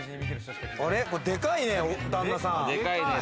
でかいね、旦那さん。